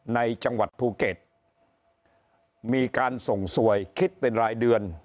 ในจังหวัดภูเก็ตมีการส่งสวยคิดเป็นรายเดือน